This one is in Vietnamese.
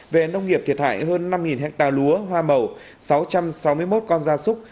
về nông nghiệp thiệt hại hơn năm ha lúa hoa màu sáu trăm sáu mươi một con da súc